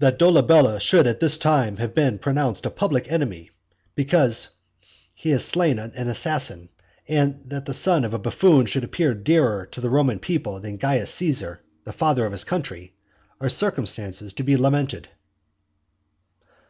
"That Dolabella should at this time have been pronounced a public enemy because he has slain an assassin; and that the son of a buffoon should appear dearer to the Roman people than Caius Caesar, the father of his country, are circumstances to be lamented."